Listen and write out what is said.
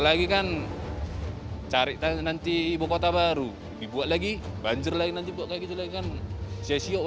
lagi kan cari tanya nanti ibukota baru dibuat lagi banjir lain nanti buat lagi juga kan jesyo